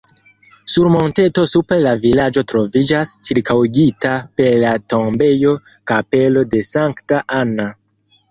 Sur monteto super la vilaĝo troviĝas, ĉirkaŭigita per la tombejo, kapelo de Sankta Anna.